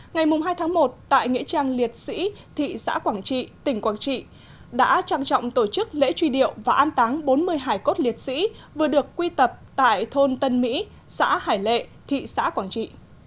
ngày hai tháng một tại nghĩa trang liệt sĩ thị xã quảng trị tỉnh quảng trị đã trang trọng tổ chức lễ truy điệu và an táng bốn mươi hải cốt liệt sĩ vừa được quy tập tại thôn tân mỹ xã hải lệ thị xã quảng trị